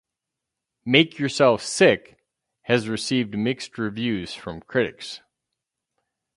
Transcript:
"Make Yourself Sick" has received mixed reviews from critics.